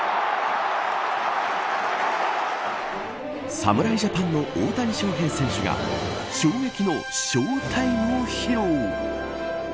侍ジャパンの大谷翔平選手が衝撃のＳＨＯ‐ＴＩＭＥを披露。